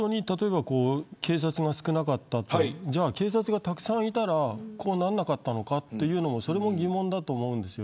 警察が少なかった、じゃあ警察がたくさんいたらこうならなかったのかというのも疑問だと思います。